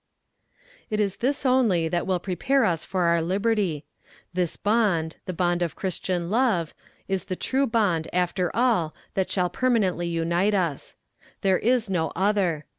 "It is this only that will prepare us for our liberty. This bond, the bond of christian love, is the true bond after all that shall permanently unite us. There is no other.